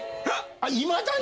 あいまだに！？